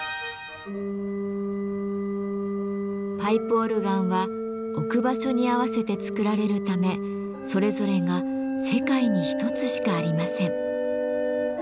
パイプオルガンは置く場所に合わせて作られるためそれぞれが世界に一つしかありません。